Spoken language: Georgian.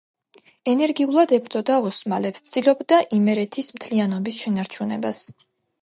ენერგიულად ებრძოდა ოსმალებს, ცდილობდა იმერეთის მთლიანობის შენარჩუნებას.